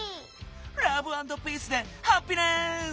ラブアンドピースでハッピネス！